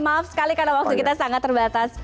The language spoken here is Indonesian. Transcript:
maaf sekali karena waktu kita sangat terbatas